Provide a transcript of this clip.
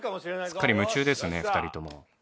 すっかり夢中ですね２人とも。